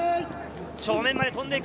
正面まで飛んでいく！